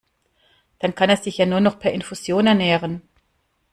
Dann kann er sich ja nur noch per Infusion ernähren.